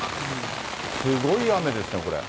すごい雨ですね、これ。